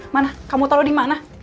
mana kamu tau dimana